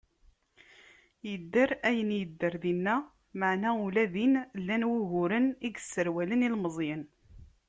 Yedder ayen yedder dinna, meɛna ula din, llan wuguren i yesserwalen ilmezyen.